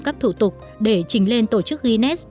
các thủ tục để chỉnh lên tổ chức guinness